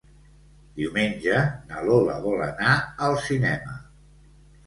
Diumenge na Lola vol anar al cinema.